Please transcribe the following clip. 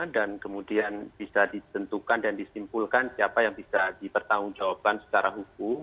dan kemudian bisa disentuhkan dan disimpulkan siapa yang bisa dipertanggungjawabkan secara hukum